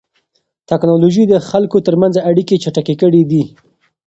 تکنالوژي د خلکو ترمنځ اړیکې چټکې کړې دي.